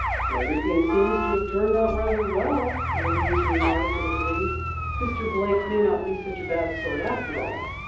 "Everything seems to have turned out rather well," Louise remarked in relief. "Mr. Blake may not be such a bad sort after all."